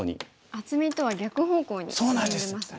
厚みとは逆方向に進んでますね。